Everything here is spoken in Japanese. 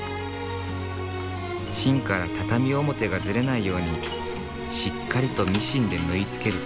芯から畳表がずれないようにしっかりとミシンで縫い付ける。